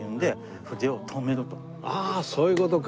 あそういう事か。